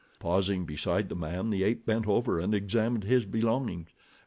Pausing beside the man, the ape bent over and examined his belongings.